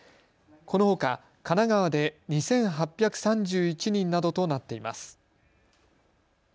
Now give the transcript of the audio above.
このほか神奈川で２８３１人などとなっています。